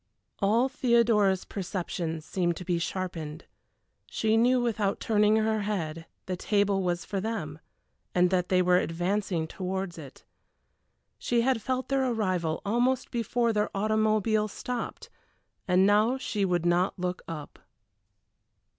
All Theodora's perceptions seemed to be sharpened. She knew without turning her head the table was for them, and that they were advancing towards it. She had felt their arrival almost before their automobile stopped; and now she would not look up.